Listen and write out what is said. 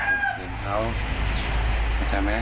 เหมือนเมียไม่เตรียมใจแต่เราไม่ได้ฝึกเผื่อเขาอาจารย์ไหม